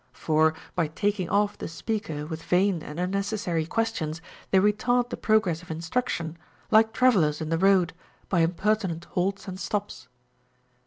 For by taking off" the speaker with vain and unnecessary questions they retard the progress of instruc tion, like travellers in the road, by impertinent halts and stops.